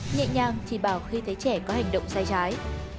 nhẹ nhàng chỉ bảo khi thấy trẻ có hành động sai trái